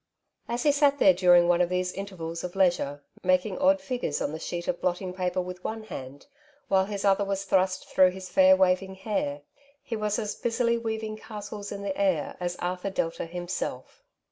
As he sat there during one of these intervals of leisure, making odd figures on the sheet of blotting paper with one hand, while his other was thrust through his fair waving hair, he was as busily weaving castles in the air as Arthur Delta himself.